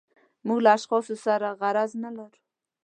موږ له اشخاصو سره غرض نه لرو.